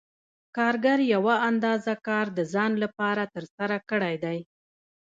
کارګر یوه اندازه کار د ځان لپاره ترسره کړی دی